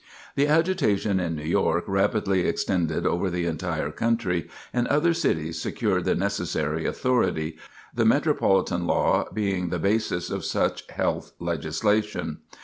The agitation in New York rapidly extended over the entire country, and other cities secured the necessary authority, the Metropolitan Law being the basis of such health legislation.